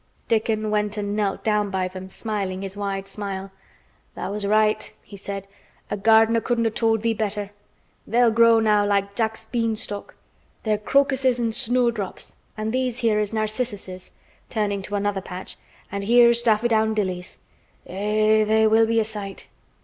Dickon went and knelt down by them, smiling his wide smile. "Tha' was right," he said. "A gardener couldn't have told thee better. They'll grow now like Jack's bean stalk. They're crocuses an' snowdrops, an' these here is narcissuses," turning to another patch, "an here's daffydowndillys. Eh! they will be a sight."